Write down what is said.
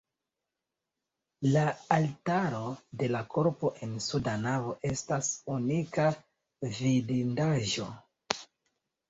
La altaro de la korpo en suda navo estas unika vidindaĵo.